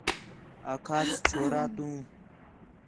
آکھاس چھورا تو